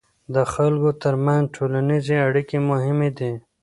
د خلکو ترمنځ ټولنیزې اړیکې مهمې دي.